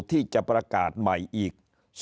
ที่จะประกาศใหม่อีก